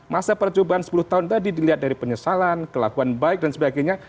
masa percobaan sepuluh tahun tadi dilihat dari penyesalan kelakuan baik dan sebagainya